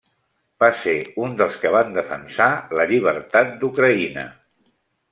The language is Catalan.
Va ser un dels que van defensar la llibertat d’Ucraïna.